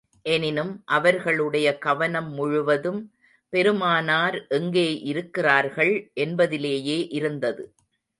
எனினும் அவர்களுடைய கவனம் முழுவதும், பெருமானார் எங்கே இருக்கிறார்கள் என்பதிலேயே இருந்தது.